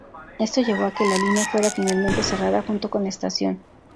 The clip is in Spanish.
Esto llevó a que la línea fuera finalmente cerrada, junto con la estación.